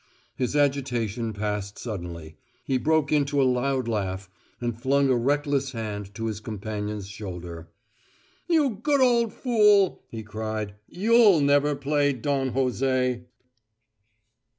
His agitation passed suddenly; he broke into a loud laugh, and flung a reckless hand to his companion's shoulder. "You good old fool," he cried. "You'll never play Don Jose!"